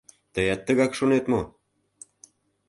Тыят тыгак шонет мо?